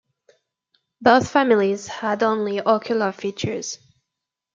Both families had only ocular features.